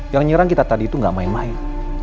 yang nyerang kita tadi itu gak main main